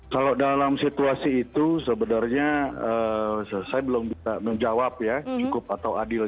kalau dalam situasi itu sebenarnya saya belum bisa menjawab ya cukup atau adil